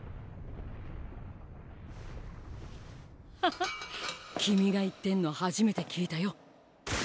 ハハッ君が言ってんの初めて聞いたよ。